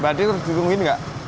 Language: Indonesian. mbak adri harus digungin gak